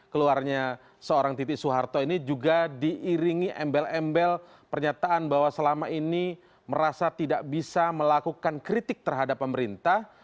keluarnya seorang titik soeharto ini juga diiringi embel embel pernyataan bahwa selama ini merasa tidak bisa melakukan kritik terhadap pemerintah